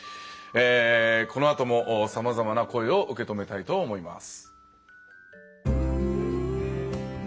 このあともさまざまな声を受け止めたいと思います。